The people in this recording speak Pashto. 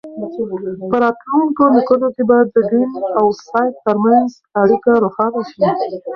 په راتلونکو لیکنو کې به د دین او ساینس ترمنځ اړیکه روښانه شي.